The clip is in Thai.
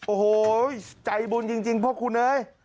โอ้โหใจบุญจริงพ่อคุณเอ้ย